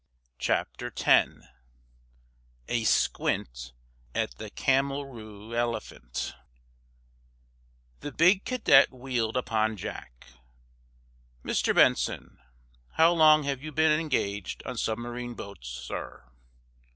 CHAPTER X: A SQUINT AT THE CAMELROORELEPHANT The big cadet wheeled upon Jack. "Mr. Benson, how long have you been engaged on submarine boats, sir?"